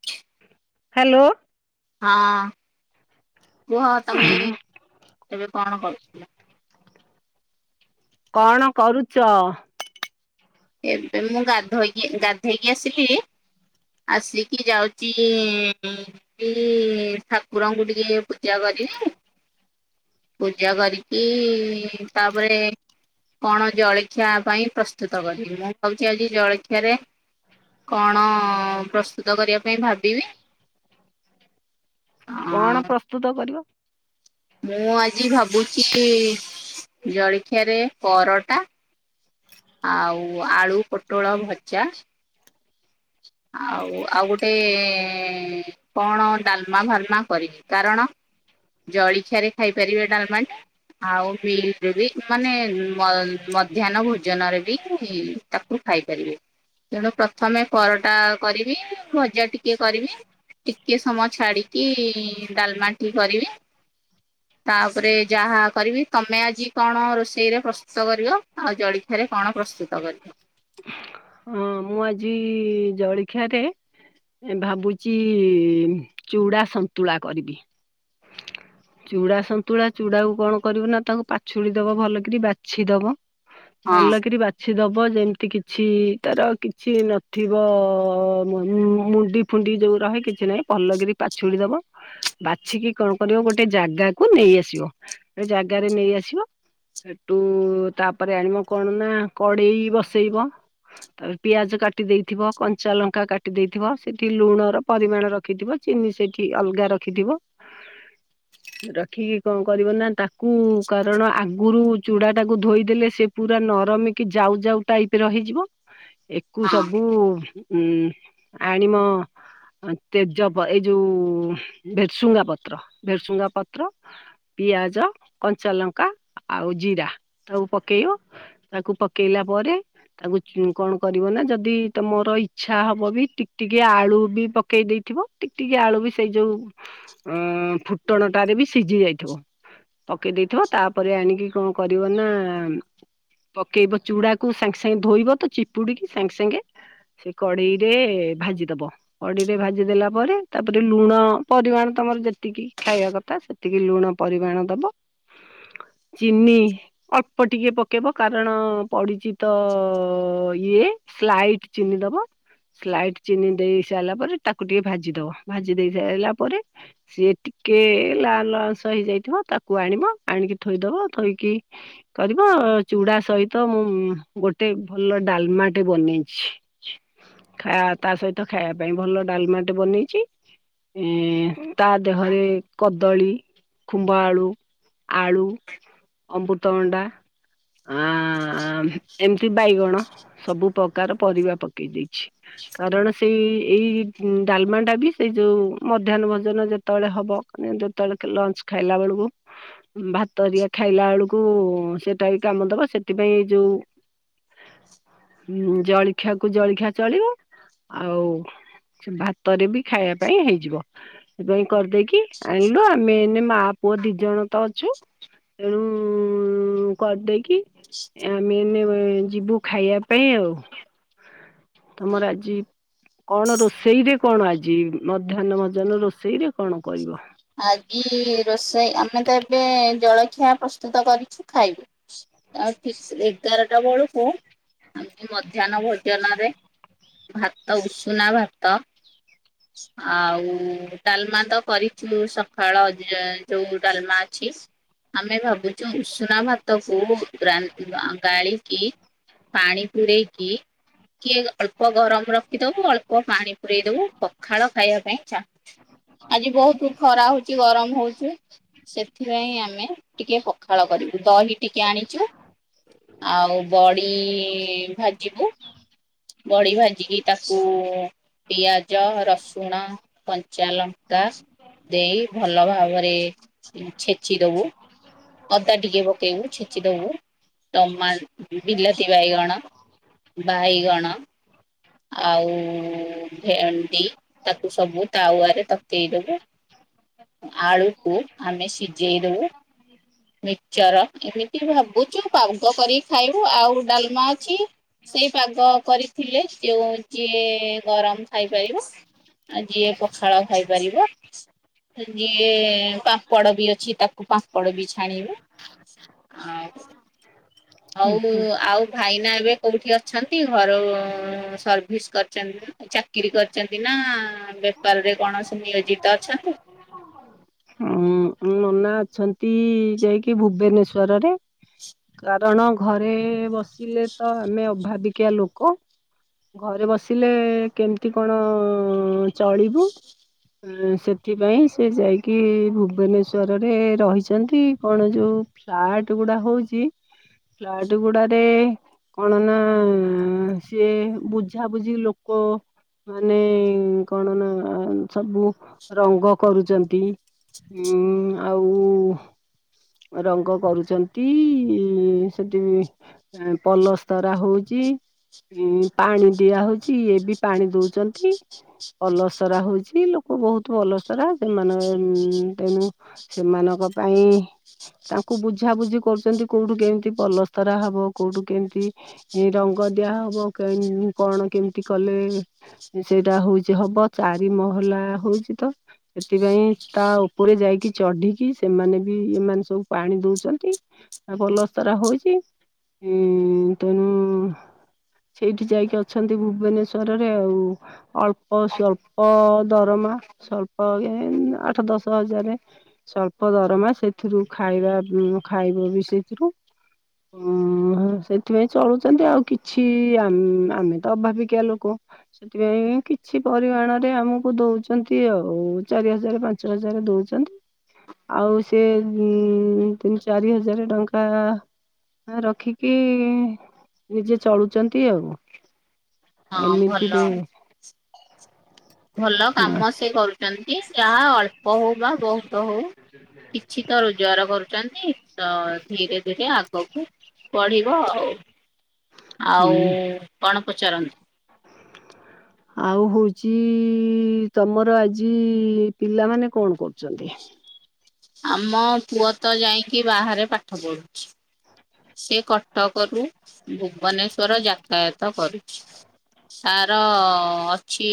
[inaudible] Hello ହାଁ କୁହ ତମେ ଏବେ କଣ କରୁଥିଲ? କଣ କରୁଚ? ଏବେ ମୁଁ ଗାଧୋଇକି ଗାଧେଇକି ଆସିଲି। ଆସିକି ଯାଉଚି ଇଁ ଇଁ-ଠାକୁରଙ୍କୁ ଟିକେ ପୂଜା କରିମି। ପୂଜା କରିକି ତାପରେ କଣ ଜଳଖିଆ ପାଇଁ ପ୍ରସ୍ତୁତ କରିବି, ମୁଁ କହୁଛି ଆଜି ଜଳଖିଆରେ କଣ ପ୍ରସ୍ତୁତ କରିବା ପାଇଁ ଭାବିବି କଣ ଅଁ ପ୍ରସ୍ତୁତ କରିବ? ମୁଁ ଆଜି ଭାବୁଛି କି ଜଳିଖିଆରେ ପରଟା ଆଉ ଆଳୁ, ପୋଟଳ ଭଜା। ଆଉ ଆଉ ଗୋଟେ କଣ ଡାଲମା ଫାଲମା କରିବି, କାରଣ ଜଳଖିଆରେ ଖାଇପାରିବେ ଡାଲମାଟି? ଆଉ ବିଲରେ ବି ମାନେ ମ ମଧ୍ୟାହ୍ନ ଭୋଜନରେ ବି ତାକୁ ଖାଇପାରିବେ, ତେଣୁ ପ୍ରଥମେ ପରଟା କରିବି, ଭଜା ଟିକେ କରିବି। ଟିକେ ସମୟ ଛାଡି଼କି ଡାଲମାଟି କରିବି। ହ ତାପରେ ଯାହା କରିବି, ତମେ ଆଜି କଣ ରୋଷେଇରେ ପ୍ରସ୍ତୁତ କରିବ? ଆଉ ଜଳି ଏଠାରେ କଣ ପ୍ରସ୍ତୁତ କରିବ? ହଁ ମୁଁ ଆଜି ଜଳଖିଆ ରେ ଭାବୁଚି ଚୁଡ଼ା ସନ୍ତୁଳା କରିବି। ଚୁଡା଼ ସନ୍ତୁଳା ଚୁଡା଼କୁ କଣ କରିବୁ ନା ତାଙ୍କୁ ପାଛୁଳି ଦବ ଭଲକିରି ବାଛି ଦବ। ହଁ ଭଲ କିରି ବାଛି ଦବ ଯେମିତି କିଛି ତାର କି କିଛି ନଥିବ ମୁଣ୍ଡି ଫୁଣ୍ଡି ଯୋଉ ରହେ କିଛି ନାହିଁ ଭଲ କରି ପାଛୁଳି ଦବ। ବାଛିକି କଣ କରିବ ଗୋଟେ ଜାଗାକୁ ନେଇ ଆସିବ, ଗୋଟେ ଜାଗାରେ ନେଇଆସିବ। ସେଠୁ ତାପରେ ଆଣିବ କଣ ନା କଡେ଼ଇ ବସେଇବ। ତାପରେ ପିଆଜ କାଟି ଦେଇଥିବ, କଞ୍ଚା ଲଙ୍କା କାଟି ଦେଇଥିବ, ସେଇଠି ଲୁଣର ପରିମାଣ ରଖିଥିବ। ଚିନି ସେଠି ଅଲଗା ରଖିଥିବ। ରଖିକି କଣ କରିବ ନା ତାକୁ କାରଣ ଆଗରୁ ଚୁଡ଼ା ଟାକୁ ଧୋଇଦେଲେ ସେ ପୁରା ନରମିକି ଯାଉ ଯାଉ ଟାଇପିର ହେଇଯିବ। ଏକୁ ହଁ। ସବୁ ଆଣିମ ତେଜପ ଏଇ ଯୋଉ ଭେଟସୁଙ୍ଗା ପତ୍ର, ଭେଟସୁଙ୍ଗା ପତ୍ର। ପିଆଜ, କଞ୍ଚାଲଙ୍କା ଆଉ ଜିରା ତାକୁ ପକେଇବ। ତାକୁ ପକେଇଲା ପରେ ତାକୁ କଣ କରିବ ନା ଯଦି ତମର ଇଚ୍ଛା ହବ ବି ଟିକ୍ ଟିକେ ଆଳୁ ବି ପକେଇ ଦେଇଥିବ। ଟିକ୍ ଟିକ୍ ଆଳୁ ବି ସେଇ ଯୋଉ‌ ଫୁଟଣଟାରେ ବି ସିଝି ଯାଇଥିବ। ପକେଇ ଦେଇେଇଥିବ ତାପରେ ଆଣିକି କଣ କରିବ ନା ପକେଇବ ଚୁଡା଼କୁ ସାଙ୍ଗେ ସାଙ୍ଗେ ଧୋଇବତ ଚିପୁଡି଼କି ସାଙ୍ଗେ ସାଙ୍ଗେ ସେ କଡ଼େଇରେ ଭାଜିଦବ, କଡ଼େଇରେ ଭାଜି ଦେେଲା ପରେ ତାପରେ ଲୁଣ ପରିମାଣ ତମର ଯେତିକି ଖାଇବା କଥା ସେତିକି ଲୁଣ ପରିମାଣ ଦବ। ଚିନି ଅଳ୍ପ ଟିକେ ପକେଇବ କାରଣ ପଡ଼ିଛି। ତ ଇଏ ସ୍ଲାଇଟ୍ ଚିନି ଦବ। ସ୍ଲାଇଟ୍ ଚିନି ଦେଇ ସାରିଲା ପରେ ତାକୁ ଟିକେ ଭାଜି ଦବ, ଭାଜି ଦେଇ ସାରିଲା ପରେ ସିଏ ଟିକେ ଲା ଲଂସ ହେଇଯାଇଥିବ ତାକୁ ଆଣିବ ଆଣିକି ଥୋଇଦବ ଥୋଇକି କରିବ ଚୁଡା଼ ସହିତ ମୁଁ ଗୋଟେ ଭଲ ଡାଲମାଟେ ବନେଇ ଛିଃ। ଖା ତା ସହିତ ଖାଇବା ପାଇଁ ଭଲ ଡାଲମାଟେ ବନେଇଛି ଏ ତା ଦେହରେ କ କଦଳୀ, ଖୁମ୍ଭ ଆଳୁ, ଆଳୁ, ଅମୃତ ବଣ୍ଡା ଉଁ ଉଁ ଏମିତି ବାଇଗଣ। ସବୁ ପ୍ରକାର ପରିବା ପକେଇ ଦେଇଛି। କାରଣ ସେଇ ଏଇ ଡାଲମାଟା ବି ସେଇ ଯୋଉ ମଧ୍ୟାନ ଭୋଜନ ଯେତ ଜେତେବେଳେ ହବ ଯେତେବେଳେ ଲଞ୍ଚ ଖାଇଲା ବେଳକୁ ଭାତହରିଆ ଖାଇଲା ଏଳୁକୁ ସେଟା ବି କାମ ଦବ ସେଥିପାଇଁ ଯୋଉ ଜଳଖିଆ କୁ ଜଳଖିଆ ଚଳିବ ଆଉ ସ ଭାତରେ ବି ଖାଇବା ପାଇଁ ହେଇଯିବ ସେଥିପାଇ କରିଦେଇକି ଆଣିଲୁ ଆମେ ଏଇନେ ମା ପୁଅ ଦି ଜଣ ତ ଅଛୁ ତେଣୁ କରିଦେଇକି ଆମେ ଏଇନେ ଯିବୁ ଖାଇବା ପାଇଁ ଆଉ। ତୁମର ଆଜି କଣ ରୋଷେଇ ରେ କଣ ଆଜି ମଧ୍ୟାହ୍ନ ଭୋଜନ ରୋଷେଇରେ କଣ କରିବ? ଆଜି ରୋଷେଇ ଆମେ ତ ଏବେ ଜଳଖିଆ ପ୍ରସ୍ତୁତ କରିଛୁ ଖାଇବୁ। ଆଉଠିକ ଏଗାରଟା ବେଳକୁୁ ଏମିତି ମଧ୍ୟାହ୍ନ ଭୋଜନ ରେ ଭାତ ଉଷୁନା ଭାତ ଆଉ ଡାଲମା ତ କରିଚୁ ସକାଳ ଯ ଯୋଉ ଡାଲମା ଅଛି। ଆମେ ଭାବୁଛୁ ଉଷୁନା ଭାତ କୁ ଗ୍ରା ଗାଳିକି ପାଣି ପୁରେଇକି ଟିକିଏ ଅଳ୍ପ ଗରମ ରଖିଦବୁ ଅଳ୍ପ ପାଣି ପୁରେଇ ଦବୁ ପଖାଳ ଖାଇବା ପାଇଁ ଚାହୁଁଚୁ। ଆଜି ବହୁତ ଖରା ହଉଛି ଗରମ ହଉଛି। ସେଥିପାଇଁ ଆମେ ଟିକେ ପଖାଳ କରିବୁ ଦହି ଟିକେ ଆଣିଛୁ। ଆଉ ବଡ଼ି ଭାଜିବୁ। ବଡି ଭାଜିିକି ତାକୁ ପିଆଜ ରସୁଣ କଞ୍ଚା ଲଙ୍କା ଦେଇ ଭଲ ଭାବରେ ଛେଚି ଦବୁ। ଅଦା ଟିକେ ପକେଇବୁ ଛେଚି ଦବୁ ଟମା ବିଲାତିବାଇଗଣ ବାଇଗଣ ଆଉ ଭେଣ୍ଡି ତାକୁ ସବୁ ତାୱଆରେ ତତେଇଦବୁ ଆଳୁକୁ ଆମେ ସିଝେଇ ଦବୁ। ମିକ୍ସଚର ଏମିତି ଭାବୁଛୁ ପାଗ କରିକି ଖାଇବୁ ଆଉ ଡାଲମା ଅଛି। ସେଇ ପାଗ କରିଥିଲେ ଯୋଉ ଯିଏ ଗରମ ଖାଇପାରିବ ଆ ଯିଏ ପଖାଳ ଖାଇପାରିବ ଯିଏ ପାମ୍ପଡ ବି ଅଛି ତାକୁ ପାମ୍ପଡ ବି ଛାଣିବୁ। ଆଁ ହୁଁ ହଉ ହୁଁ। ଆଉ ଭାଇନା ଏବେ କୋଉଠି ଅଛନ୍ତି ଘର ସର୍ଭିସ୍ କରିଛନ୍ତିି ପା? ଆ ଚାକିରି କରିଛନ୍ତି ନା ବେପାରରେ କଣସିଏ ନିୟୋଜିତ ଅଛନ୍ତି? ଉଁ ନନା ଅଛନ୍ତି ଯାଇକି ଭୁବନେଶ୍ଵରରେ କାର ଜଣଙ୍କ ଘରେ ବସିଲେ ତ ଆମେ ଅଭାବିକିଆ ଲୋକ। ଘରେ ବସିଲେ କେମିତି କଣ ଚଳିବୁ। ହ ସେଥିପାଇଁ ସେ ଯାଇକି ଭୁବନେଶ୍ ସ୍ଵରରେ ରହିଛନ୍ତି କଣ ଯୋଉ ଫ୍ଲାଟ ଗୁଡା ହଉଛି ଫ୍ଲାଟ ଗୁଡ଼ାରେ କଣ ନା ସିଏ ବୁଝାବୁଝି ଲୋକ ମାନେ କଣ ନା ସବୁ ରଙ୍ଗ କରୁଛନ୍ତି। ଉଁ ଆଉ ରଙ୍ଗ କରୁଛନ୍ତି ସେଠି ଏଁ ପଲସ୍ତରା ହୋଉଚି। ଇଁ ପାଣି ଦିଆହୋଉଚି ଇଏ ବି ପାଣି ଦୋଉଚନ୍ତି। ପଲସ୍ତରା ହୋଉଚି ଲୋକ ବହୁତ ପଲସ୍ତରା ସେମାନେ ଏ ମ୍ ତେଣୁ ସେମାନଙ୍କ ପାଇଁ ତାଙ୍କୁ ବୁଝାବୁଝି କରୁଚନ୍ତି କୋଉଠୁ କେମିତି ପଲସ୍ତରା ହବ କୋଉଠୁ କେମିତି ଇ ରଙ୍ଗ ଦିଆ ହବ କେମ୍ କଣ କେମିତି କଲେ ସେଇଟା ହଉଚି ହବ ଚାରି ମହଲା ହଉଚି ତ ସେଥିପାଇଁ ତା ଉପରେ ଯାଇକି ଚଢିକି ସେମାନେ ବି ଏମାନେ ସବୁ ପାଣି ଦଉଚନ୍ତି। ଆଁ ପଲସ୍ତରା ହଉଚି ଉଁ ତେଣୁ ସେଇଠି ଯାଇକି ଅଛନ୍ତି ଭୁବନେଶ୍ଵରରେ ଆଉ। ଅଳ୍ପ ସ୍ଵଳ୍ପ ଦରମା ସ୍ଵଳ୍ପ ଏଁ ଆଠ, ଦଶ ଦଶ ହଜାରେ ସ୍ଵଳ୍ପ ଦରମା ସେଇଥିରୁ ଖାଇବା ଉମ୍ ଖାଇବ ବି ସେଇଥିରୁ। ଉଁମ୍ ହଁ ସେଥିପାଇଁ ଚଳୁଚନ୍ତି ଆଉ କିଛି ଆମ୍ ଆମେ ତ ଅଭାବିକିଆ ଲୋକ। ସେଥିପାଇଁ କିଛି ପରିମାଣରେ ଆମକୁ ଦଉଚନ୍ତି ଆଉ ଚାରି ହଜାର ପାଞ୍ଚ ହଜାରେ ଦଉଚନ୍ତି। ଆଉ ସେ ଉଁ ତିନି ଚାରି ହଜାରେ ଟଙ୍କା ରଖିକି ନିଜେ ଚଳୁଚନ୍ତି ଆଉ। ହଁ ଭଲ। ଏମିତିରେ ଭଲ ଅ କାମ ସେ କରୁଚନ୍ତି ଯାହା ଅଳ୍ ବହୁ ବା ବହୁତ ହଉ କିଛି ତ ରୋଜଗାର କରୁଚନ୍ତି। ତ ଧୀରେ ଧୀରେ ଆଗକୁ ବଢିବ ଆଉ। ହୁଁ ଆଉ କଣ ପଚାରନ୍ତୁ? ଆଉ ହଉଚି ତମର ଆଜି ପିଲାମାନେ କଣ କରୁଚନ୍ତି? ଆମ ପୁଅ ତ ଯାଇଁକି ବାହାରେ ପାଠ ପଢୁଚି। ସେ କଟକରୁ ଭୁବନେଶ୍ଵର ଯାତାୟାତ କରୁଚି। ତାର ଅଛି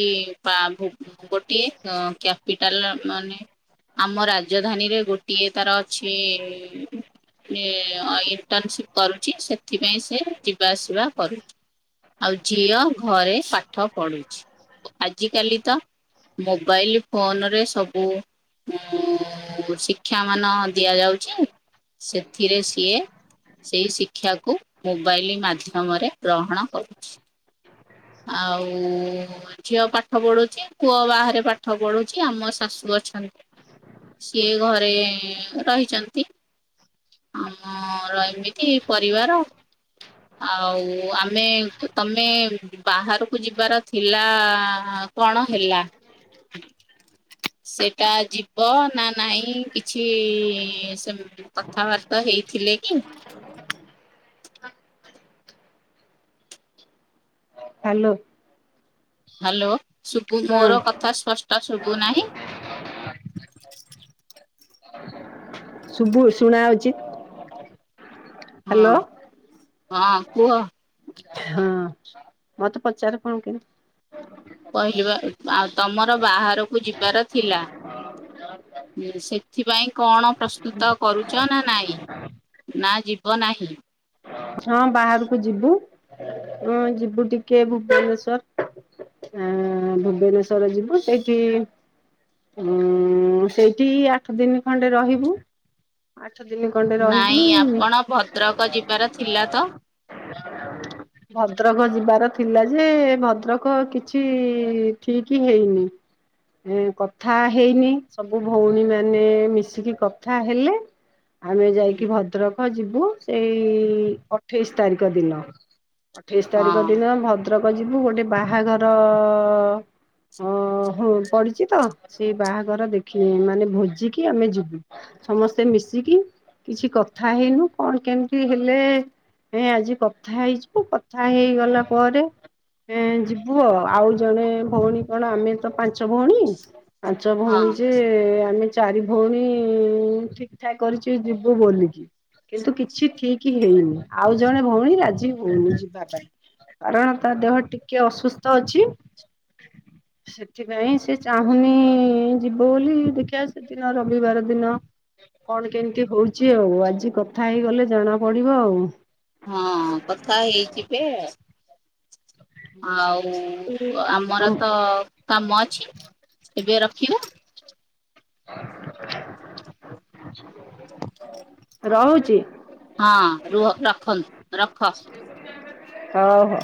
ପା ଭୂ ଗୋଟିଏ କ କ୍ୟାପିଟାଲ ମାନେ ଆମ ରାଜଧାନୀରେ ଗୋଟିଏ ତାର ଅଛି ଇ ଐଇ - ଇଣ୍ଟର୍ନସିପ୍ କରୁଚି ସେଥିପାଇଁ ସେ ଯିବା ଆସିବା କରୁଚି। ଆଉ ଝିଅ ଘରେ ପାଠ ପଢୁଚି। ଆଜିକାଲି ତ ମୋବାଇଲ ଫୋନ ରେ ସବୁ ଉଁ ଶିକ୍ଷା ମାନ ଦିଆ ଯାଉଚି ସେଥିରେ ସିଏ ସେଇ ଶିକ୍ଷାକୁ ମୋବାଇଲ ମାଧ୍ୟମରେ ଗ୍ରହଣ କରୁଚି। ଆଉ ଝିଅ ପାଠ ପଢୁଚି ପୁଅ ବାହାରେ ପାଠ ପଢୁଚି ଆମ ଶାଶୁ ଅଛନ୍ତି। ସିଏ ଘରେ ରହିଚନ୍ତି। ଆମର ଏମିତି ପରିବାର। ଆଉ ଆମେ ତମେ ବାହାରକୁ ଯିବାର ଥିଲା କଣ ହେଲା? ସେଟା ଯିବ ନା ନାଇଁ କିଛି ସେମ୍ କଥାବାର୍ତ୍ତା ହେଇଥିଲେ କି? ହାଲୋ। ହାଲୋ ଶୁବୁ ହଁ ମୋର କଥା ସ୍ପଷ୍ଟ ଶୁବୁ ନାହିଁ? ଶୁବୁ ଶୁଣା ଆଉଚି। ହଁ ହଁ କୁହ। ହଁ। ମତେ ପଚାର କଣ କେମତି। କହିଲି ପା ଆଉ ତମର ବାହାଘରକୁ ଯିବାର ଥିଲା। ହୁଁ, ସେଥିପାଇଁ କଣ ପ୍ରସ୍ତୁତ କରୁଛ ନା ନାଇଁ। ନା ଯିବ ନାହିଁ। ହଁ ବାହାରକୁ ଯିବୁ ହଁ ଯିବୁ ଟିକେ ଭୁବନେଶ୍ଵର। ହଁ ଭୁବନେଶ୍ଵର ଯିବୁ ସେଇଠି ଉଁ ସେଇଠି ଆଠ ଦିନ ଖଣ୍ଡେ ରହିବୁ। ଆଠ ଦିନ ଖଣ୍ଡେ ରହିକି ତାର ଥିଲା ତ। [unintelligible] ଭଦ୍ରକ ଯିବାର ଥିଲା ଯେ ଭଦ୍ରକ କିଛି ଠିକ ହେଇନି। ଏ କଥା ହେଇନି ସବୁ ଭଉଣୀ ମାନେ ମିଶିକି କଥା ହେଲେ। [inaudible] ଆମେ ଯାଇକି ଭଦ୍ରକ ଯିବୁ ସେଇ ଅଠେଇଶି ତାରିଖ ଦିନ। ଅଠେଇଶି ହଁ ତାରିଖ ଦିନ ଭଦ୍ରକ ଯିବୁ ଗୋଟେ ବାହାଘର ଓ ହ ପଡିଛି ତ ସେଇ ବାହାଘର ଦେଖି ମାନେ ଭୋଜିିକି ଆମେ ଯିବୁ। ସମସ୍ତେ ମିଶିକି କିଛି କଥା ହେଇନୁ କଣ କେମିତି ହେଲେ ଏ ଆଜି କଥା ହେଇଯିବୁ କଥା ହେଇଗଲା ପରେ ଏ ଯିବୁ ଆଉ ଜଣେ ଭଉଣୀ କଣ ଆମେ ତ ପାଞ୍ଚ ଭଉଣୀ ପାଞ୍ଚ ହଁ ଭଉଣୀ ଯେ ଆମେ ଚାରି ଭଉଣୀ ଠିକ ଠାକ୍ କରିଛି ଯିବୁ ବୋଲିକି। କିନ୍ତୁ କିଛି ଠିକ୍ ହେଇନି ଆଉ ଜଣେ ଭଉଣୀ ରାଜି ହଉନି ଯିବା ପାଇଁ। କାରଣ ତା ଦେହ ଟିକେ ଅସୁସ୍ଥ ଅଛି। ସେଥିପାଇଁ ସେ ଚାହୁଁନି ଯିବ ବୋଲି ଦେଖିବା ସେଦିନ ରବିବାର ଦିନ। କଣ କେମିତି ହଉଛି ଆଉ ଆଜି କଥା ହେଇଗଲେ ଜଣା ପଡିବ ଆଉ। ହଁ, କଥା ହେଇଯିବେ। ଆଉ ଆମର ତ କାମ ଅଛି ଏବେ ରଖିବା। ରହୁଛି। ହଁରୁହ, ରଖନ୍ତୁ, ରଖ। ଓ ହୋ।